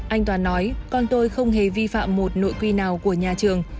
anh toàn nói con tôi không hề vi phạm một nội quy nào của nhà trường